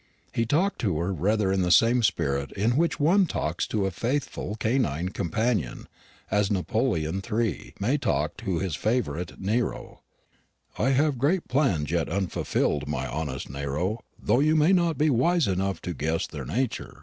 He talked to her rather in the same spirit in which one talks to a faithful canine companion as Napoleon III. may talk to his favourite Nero; "I have great plans yet unfulfilled, my honest Nero, though you may not be wise enough to guess their nature.